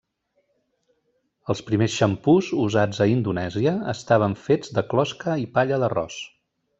Els primers xampús usats a Indonèsia estaven fets de closca i palla d'arròs.